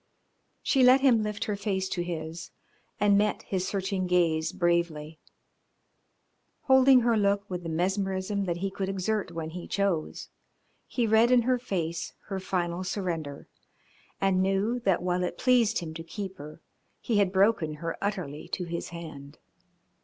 She let him lift her face to his, and met his searching gaze bravely. Holding her look with the mesmerism that he could exert when he chose, he read in her face her final surrender, and knew that while it pleased him to keep her he had broken her utterly to his hand.